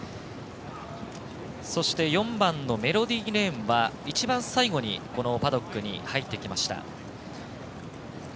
そして、４番のメロディーレーンは一番最後にパドックに入ってきました。